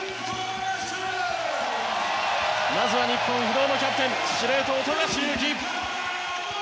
まずは日本の不動のキャプテン司令塔、富樫勇樹。